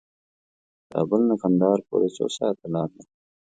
کابل نه قندهار پورې څو ساعته لار ده؟